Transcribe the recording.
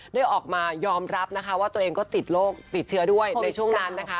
ได้ออกมายอมรับนะคะว่าตัวเองก็ติดโรคติดเชื้อด้วยในช่วงนั้นนะคะ